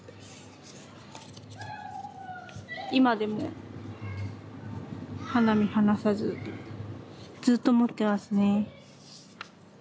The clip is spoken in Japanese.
今でも肌身離さずずっと持ってますね。